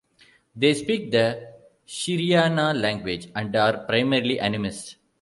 They speak the Shiriana language, and are primarily animists.